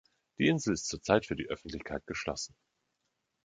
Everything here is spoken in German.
Die Insel ist zur Zeit für die Öffentlichkeit geschlossen.